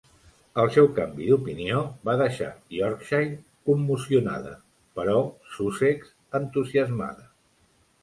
El seu canvi d'opinió va deixar Yorkshire "commocionada", però Sussex "entusiasmada".